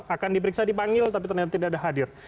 akan diperiksa dipanggil tapi ternyata tidak ada hadir